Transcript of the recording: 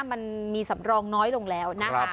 มันมีสำรองน้อยลงแล้วนะคะ